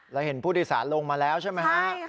เราเห็นผู้โดยสารลงมาแล้วใช่ไหมฮะใช่ค่ะ